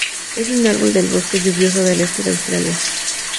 Es un árbol del bosque lluvioso del este de Australia.